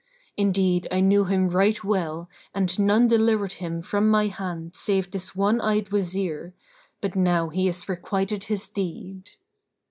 Indeed I knew him right well and none delivered him from my hand save this one eyed Wazir; but now he is requited his deed."